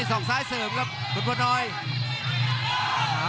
โอ้โหโอ้โหโอ้โหโอ้โห